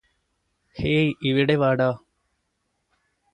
hey ഇവിടെ വാടാ